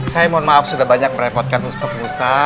saya mohon maaf sudah banyak merepotkan ustadz musa